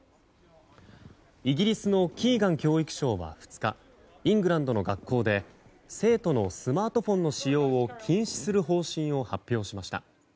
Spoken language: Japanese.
イギリスのキーガン教育相は２日イングランドの学校で生徒のスマートフォンの使用を禁止する方針を発表しました。